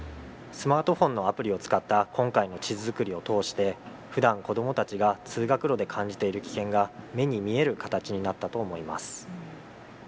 スマートフォンのアプリを使った今回の地図作りを通してふだん子どもたちが通学路で感じている危険が目に見える形になったと思います。